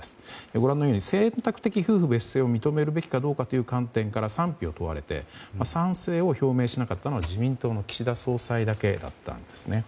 ご覧のように選択的夫婦別姓を認めるべきかどうかという観点から賛否を問われて賛成を表明しなかったのは自民党の岸田総裁だけだったんです。